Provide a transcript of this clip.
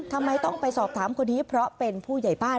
ทำไมต้องไปสอบถามคนนี้เพราะเป็นผู้ใหญ่บ้าน